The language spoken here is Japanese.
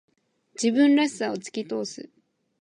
自分らしさを突き通す。